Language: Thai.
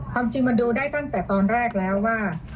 ความจริงมันดูได้ตั้งแต่ตอนแรกแล้วว่า